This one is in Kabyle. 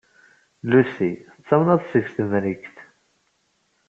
Lucy d tanemadt seg Temrikt.